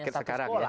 paket sekarang ya